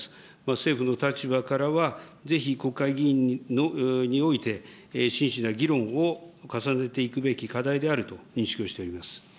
政府の立場からは、ぜひ国会議員において、真摯な議論を重ねていくべき課題であると認識をしています。